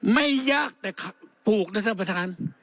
ไม่ยากแต่ปลูกนะท่านประธาน